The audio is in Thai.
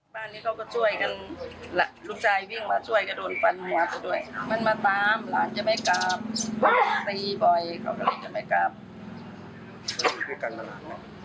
บ้านนี้เขาก็ช่วยกันลูกจัยวิ่งมาช่วยกระโดนฟันหัวก็ด้วย